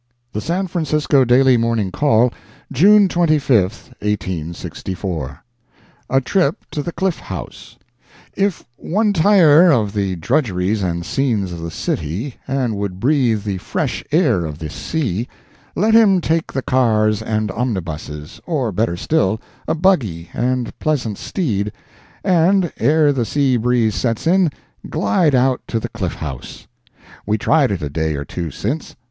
The San Francisco Daily Morning Call, June 25, 1864 A TRIP TO THE CLIFF HOUSE If one tire of the drudgeries and scenes of the city, and would breathe the fresh air of the sea, let him take the cars and omnibuses, or, better still, a buggy and pleasant steed, and, ere the sea breeze sets in, glide out to the Cliff House. We tried it a day or two since.